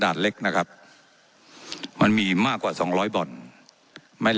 เจ้าหน้าที่ของรัฐมันก็เป็นผู้ใต้มิชชาท่านนมตรี